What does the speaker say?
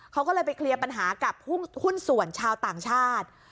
เขาก็เลยไปเคลียร์ปัญหากับหุ้นส่วนชาวต่างชาติ